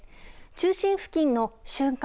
中心付近の瞬間